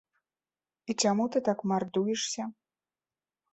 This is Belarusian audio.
І чаму ты так мардуешся?